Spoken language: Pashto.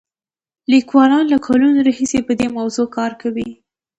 لیکوالان له کلونو راهیسې په دې موضوع کار کوي.